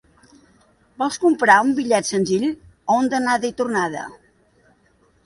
Vols comprar un bitllet senzill o un d'anada i tornada?